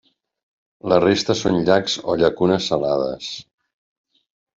La resta són llacs o llacunes salades.